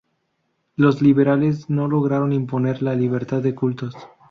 Los liberales no lograron imponer la libertad de cultos.